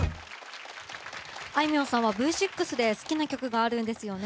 あいみょんさんはＶ６で好きな曲があるんですよね。